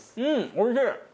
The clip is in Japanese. おいしい！